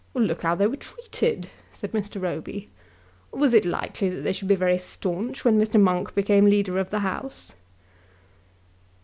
"Look how they were treated!" said Mr. Roby. "Was it likely that they should be very staunch when Mr. Monk became Leader of the House?"